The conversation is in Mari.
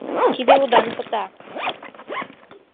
— Тиде удан пыта!